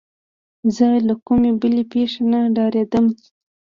زه له کومې بلې پېښې نه ډارېدم.